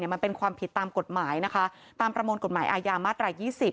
มันเป็นความผิดตามกฎหมายนะคะตามประมวลกฎหมายอาญามาตรา๒๐